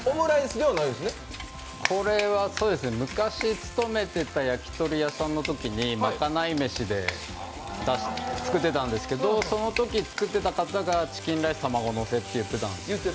これは昔、勤めていた焼き鳥屋さんのときにまかない飯で作ってたんですけどそのとき作っていた方がチキンライス卵のせと言ってたんです。